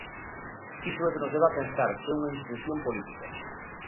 Iso é o que nos leva a pensar que é unha instrución política.